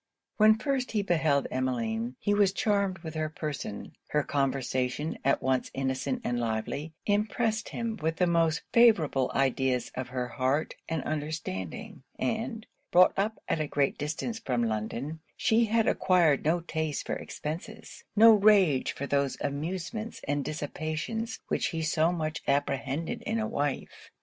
When first he beheld Emmeline, he was charmed with her person; her conversation, at once innocent and lively, impressed him with the most favourable ideas of her heart and understanding; and, brought up at a great distance from London, she had acquired no taste for expences, no rage for those amusements and dissipations which he so much apprehended in a wife.